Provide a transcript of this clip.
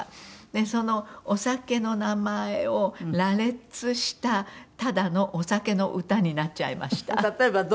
そのお酒の名前を羅列したただのお酒の歌になっちゃいました。